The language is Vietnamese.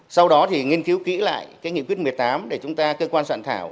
sau đó thì nghiên cứu kỹ lại cái nghị quyết một mươi tám để chúng ta cơ quan soạn thảo